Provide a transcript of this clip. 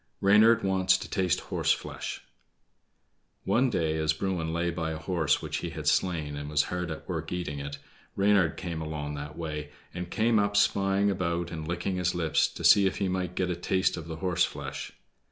Reynard Wants to Taste Horse flesh One day as Bruin lay by a horse which he had slain, and was hard at work eating it, Reynard came along that way, and came up spying about and licking his lips, to see if he might get a taste of the horse flesh.